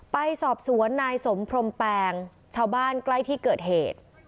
ไปสอบสวนนายสมพรมแปงชาวบ้านใกล้ที่เกิดเหตุ